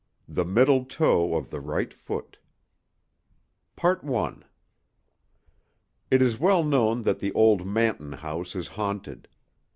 THE MIDDLE TOE OF THE RIGHT FOOT I IT is well known that the old Manton house is haunted.